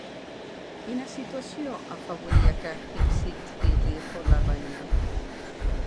Quina situació afavoria que Hipsípile fos la reina?